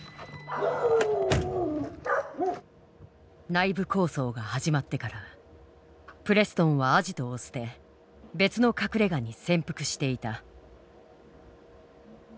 内部抗争が始まってからプレストンはアジトを捨て別の隠れがに潜伏していた。